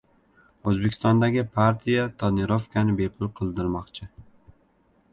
O‘zbekistondagi partiya «tonirovka»ni bepul qildirmoqchi